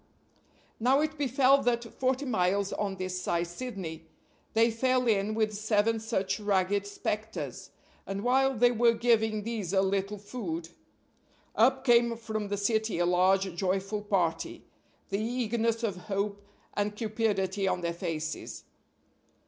Now it befell that, forty miles on this side Sydney, they fell in with seven such ragged specters; and, while they were giving these a little food, up came from the city a large, joyful party the eagerness of hope and cupidity on their faces.